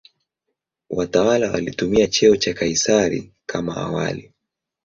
Watawala walitumia cheo cha "Kaisari" kama awali.